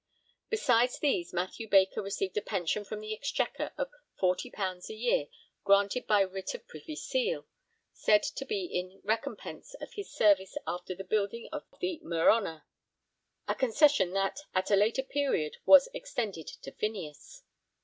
Besides these Mathew Baker received a pension from the Exchequer of £40 a year granted by writ of Privy Seal, said to be 'in recompense of his service after the building of the Merhonour'; a concession that at a later period was extended to Phineas.